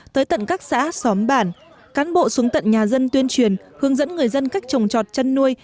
tới tận các xã xóm bản cán bộ xuống tận nhà dân tuyên truyền hướng dẫn người dân cách trồng trọt chăn nuôi